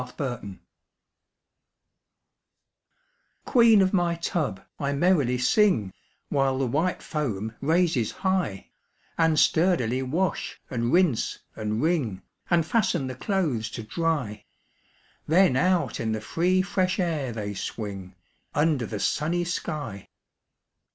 8 Autoplay Queen of my tub, I merrily sing, While the white foam raises high, And sturdily wash, and rinse, and wring, And fasten the clothes to dry; Then out in the free fresh air they swing, Under the sunny sky.